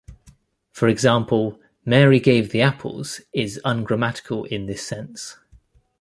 For example, "Mary gave the apples" is ungrammatical in this sense.